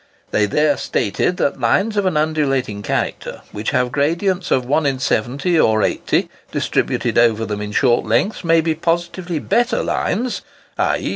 They there stated that lines of an undulating character "which have gradients of 1 in 70 or in 80 distributed over them in short lengths, may be positively better lines, _i.